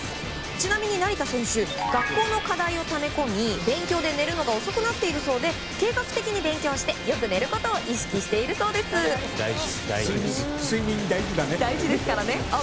ちなみに成田選手学校の課題をため込み勉強で寝るのが遅くなっているそうで計画的に勉強してよく寝ることを意識しているそうです。